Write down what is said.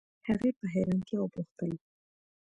هغې په حیرانتیا وپوښتل